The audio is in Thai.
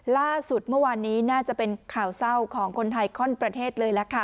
ล่าสุดเมื่อวานนี้น่าจะเป็นข่าวเศร้าของคนไทยข้อนประเทศเลยล่ะค่ะ